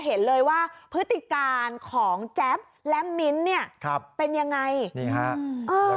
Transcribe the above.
เห็นเลยว่าพฤติการณ์ของแจ๊บและมิ้นเนี่ยครับเป็นยังไงแล้ว